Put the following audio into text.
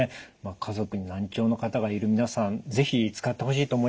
家族に難聴の方がいる皆さん是非使ってほしいと思いますが。